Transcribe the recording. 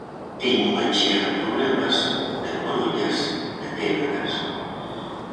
Teño unha chea de problemas, de embrollas, de débedas...